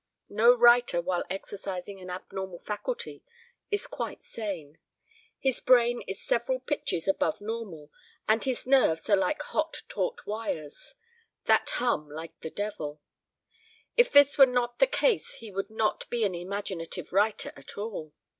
No writer while exercising an abnormal faculty is quite sane. His brain is several pitches above normal and his nerves are like hot taut wires that hum like the devil. If this were not the case he would not be an imaginative writer at all.